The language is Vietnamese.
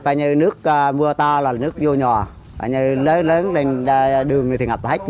phải như nước mưa to là nước vô nhòa phải như lớn lên đường thì ngập hết